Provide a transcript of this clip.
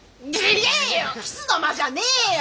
キスの間じゃねえよ！